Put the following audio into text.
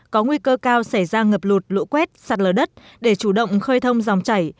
có nguy cơ cao xảy ra ngập lụt lũ quét sạt lở đất để chủ động khơi thông dòng chảy